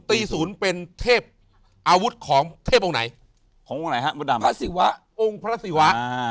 ตีศูนย์เป็นเทพอาวุธของเทพองค์ไหนพระศิวะองค์พระศิวะ